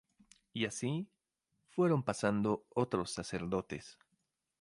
Y asi, fueron pasando otros sacerdotes.